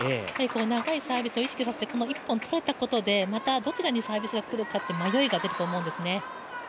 長いサービスを意識させてこの１本を取れたことでまたどちらにサービスがくるかと、迷いが出てくるかと思うんですね。